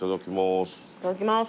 いただきます。